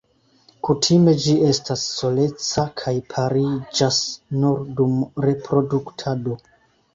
Kutime ĝi estas soleca kaj pariĝas nur dum reproduktado.